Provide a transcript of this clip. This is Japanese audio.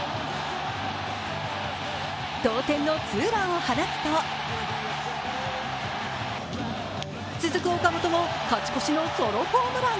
同点のツーランを放つと続く岡本も勝ち越しのソロホームラン。